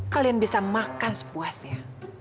kalian bisa makan sepuasnya